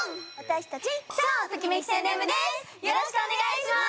よろしくお願いします！